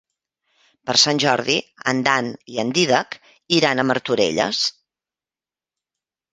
Per Sant Jordi en Dan i en Dídac iran a Martorelles.